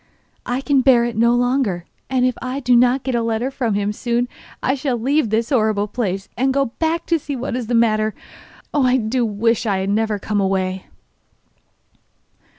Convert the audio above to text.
'I can bear it no longer, and if I do not get a letter from him soon I shall leave this horrible place and go back to see what is the matter. Oh! I do wish I had never come away!